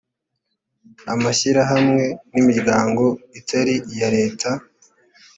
amashyirahamwe n’imiryango itari iya leta